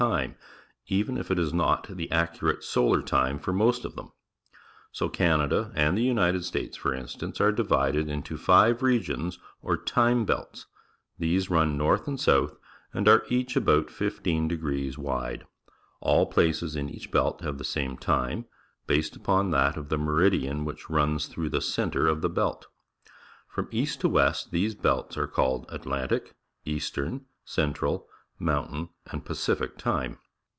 time, even if it is not the accurate solar time for most of them. So Canada and Position of the Earth in its Orbit the United ^'^^ys points in States, for instance, ar e di\'ided into f ive regions, or ti me belts. These run noi th and s outh, and are each ^ h""t. 1 '^° wide. All places in each belt have the same time, based upon that of the meri dian wh ic h runs tlirough the centre of the belt. From east to west, these belts are called Atlgjilic, 'Eastern, Central, Mountain, and Pacific T ime.